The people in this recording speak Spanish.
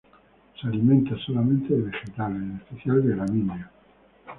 Se alimenta solamente de vegetales, en especial de gramíneas.